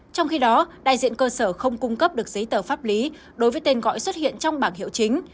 trong khi đó đại diện cơ sở không cung cấp được giấy tờ pháp lý đối với tên gọi xuất hiện trong bảng hiệu chính